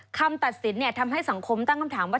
คำตัดสินทำให้สังคมตั้งคำถามว่า